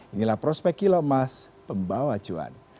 inilah prospek kilo emas pembawa cuan